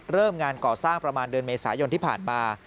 งานก่อสร้างประมาณเดือนเมษายนที่ผ่านมา